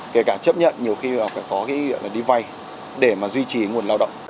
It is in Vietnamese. kể cả chấp nhận nhiều khi là phải có cái đi vay để mà duy trì nguồn lao động